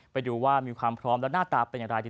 ไปดูว่ามีความพร้อมแล้วหน้าตาเป็นอย่างไร